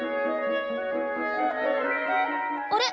あれ？